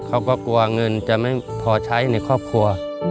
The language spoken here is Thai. เขาก็กลัวเงินจะไม่พอใช้ในครอบครัว